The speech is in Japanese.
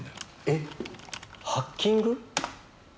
えっハッキング？